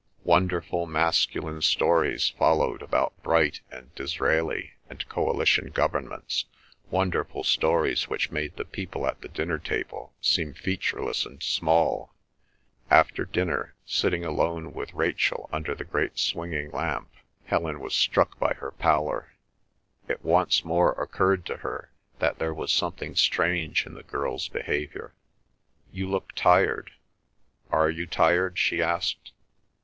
Wonderful masculine stories followed about Bright and Disraeli and coalition governments, wonderful stories which made the people at the dinner table seem featureless and small. After dinner, sitting alone with Rachel under the great swinging lamp, Helen was struck by her pallor. It once more occurred to her that there was something strange in the girl's behaviour. "You look tired. Are you tired?" she asked.